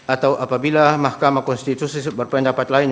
atau apabila mahkamah konstitusi berpendapat lain